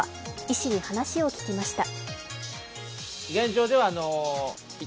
医師に話を聞きました。